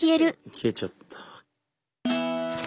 消えちゃった。